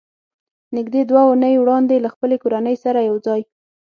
نږدې دوه اوونۍ وړاندې له خپلې کورنۍ سره یو ځای